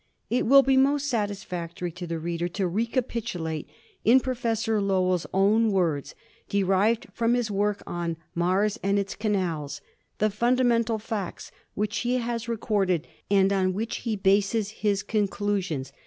It will be most sat isfactory to the reader to recapitulate in Professor Low ell's own words, derived from his work on "Mars and Its Canals," the fundamental facts which he has recorded and on which he bases his conclusions.